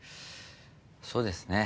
そうですね。